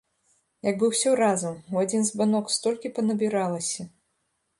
Як бы ўсё разам, у адзін збанок столькі панабіралася.